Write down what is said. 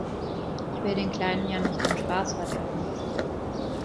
Ich will den Kleinen ja nicht den Spaß verderben.